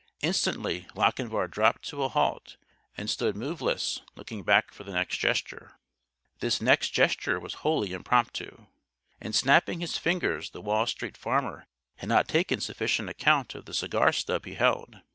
Instantly Lochinvar dropped to a halt and stood moveless, looking back for the next gesture. This "next gesture" was wholly impromptu. In snapping his fingers the Wall Street Farmer had not taken sufficient account of the cigar stub he held.